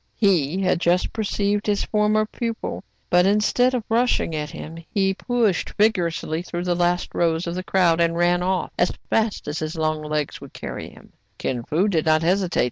He had just perceived his former pupil ; but, instead of rushing at him, he pushed vigorously through the last rows of the crowd, and ran off as fast as his long legs would carry him, Kin Fo did not hesitate.